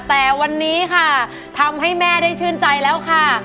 แต่วันนี้ค่ะทำให้แม่ได้ชื่นใจแล้วค่ะ